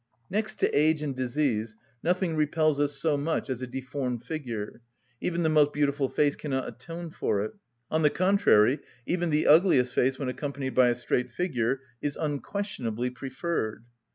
Next to age and disease nothing repels us so much as a deformed figure; even the most beautiful face cannot atone for it; on the contrary, even the ugliest face when accompanied by a straight figure is unquestionably preferred.